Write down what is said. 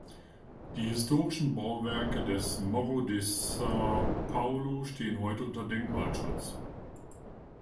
Die historischen Bauwerke des Morro de São Paulo stehen heute unter Denkmalschutz.